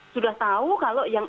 sudah tahu kalau yang